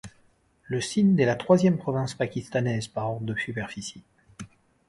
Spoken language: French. Le Sind est la troisième province pakistanaise par ordre de superficie.